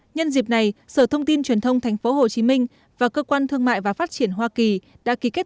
nhân dịp này sở thông tin truyền thông tp hcm và cơ quan thương mại và phát triển hoa kỳ đã ký kết